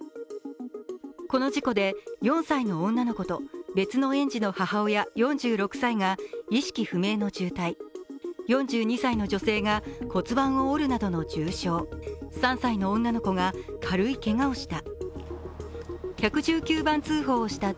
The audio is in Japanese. この事故で４歳の女の子と別の園児の母親４６歳が意識不明の重体、４２歳の女性が骨盤を折るなどの重傷、３歳の女の子が軽いけがをした。